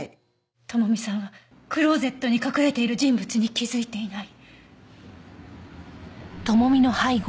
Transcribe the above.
智美さんはクローゼットに隠れている人物に気づいていない。